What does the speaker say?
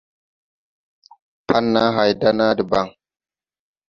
Pan naa hay da naa debaŋ.